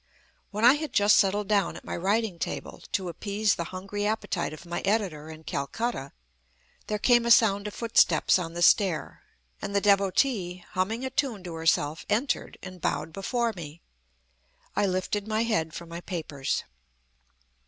When I had just settled down at my writing table, to appease the hungry appetite of my editor in Calcutta, there came a sound of footsteps on the stair, and the Devotee, humming a tune to herself, entered, and bowed before me. I lifted my head from my papers.